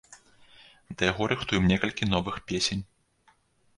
Да яго рыхтуем некалькі новых песень.